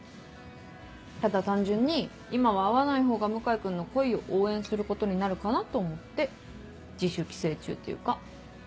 ただ単純に今は会わない方が向井君の恋を応援することになるかなと思って自主規制中っていうか。